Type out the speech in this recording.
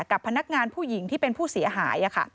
กับพนักงานผู้หญิงที่เป็นผู้เสียหาย